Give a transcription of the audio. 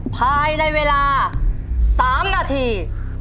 ภายในเวลา๓นาที